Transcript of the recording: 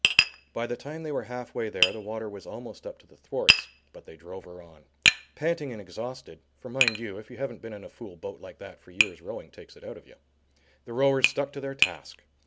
By the time they were half way there the water was almost up to the thwarts, but they drove her on. Panting and exhausted (for mind you, if you haven't been in a fool boat like that for years, rowing takes it out of you), the rowers stuck to their task.